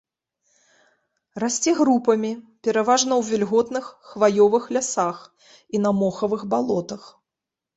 Расце групамі, пераважна ў вільготных хваёвых лясах і на мохавых балотах.